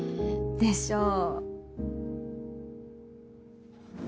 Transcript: でしょう。